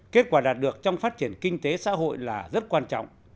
kết quả đạt được trong phát triển kinh tế xã hội là rất quan trọng